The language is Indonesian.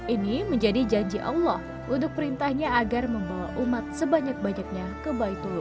ini menjadi janji allah untuk perintahnya agar membawa umat sebanyak banyaknya ke baitul